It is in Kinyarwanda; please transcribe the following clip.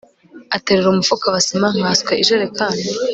aterura umufuka wa sima nkanswe ijerekani